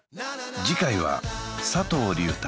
次回は佐藤隆太